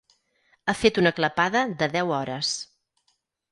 He fet una clapada de deu hores.